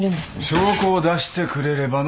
証拠を出してくれればの話だ。